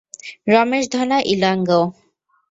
Ramesh, Dhana, Elango.